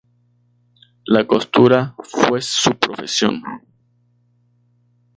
La costura fue su profesión.